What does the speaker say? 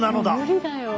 無理だよ。